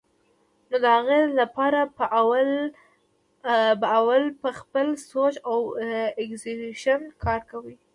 نو د هغې له پاره به اول پۀ خپل سوچ او اېکزیکيوشن کار کوي